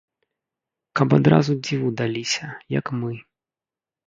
Каб адразу дзіву даліся, як мы.